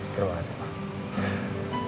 terima kasih pak